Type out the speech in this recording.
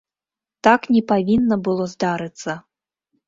Так не павінна было здарыцца.